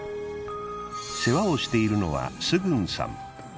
世話をしているのはスグンさん。